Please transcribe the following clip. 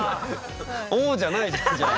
「おお」じゃないじゃんじゃあ。